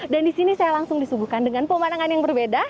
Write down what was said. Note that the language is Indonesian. dan di sini saya langsung disuguhkan dengan pemandangan yang berbeda